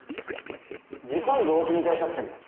「ジパング・おおきに大作戦」だよ。